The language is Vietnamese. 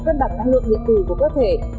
cân bằng năng lượng nguyện tử của cơ thể